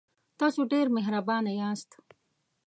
تاسو ډیر مهربانه یاست.